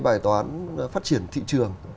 bài toán phát triển thị trường